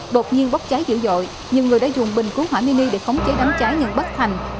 đột nhiên bóp trái dữ dội nhiều người đã dùng bình cứu hỏa mini để khống chế đám trái nhưng bất thành